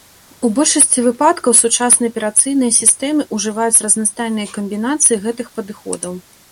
У большасці выпадкаў сучасныя аперацыйныя сістэмы ўжываюць разнастайныя камбінацыі гэтых падыходаў.